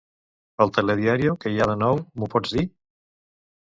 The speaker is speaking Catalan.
Al "Telediario" què hi ha de nou m'ho pots dir?